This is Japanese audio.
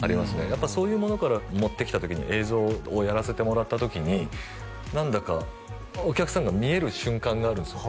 やっぱそういうものから持ってきた時に映像をやらせてもらった時に何だかお客さんが見える瞬間があるんですよ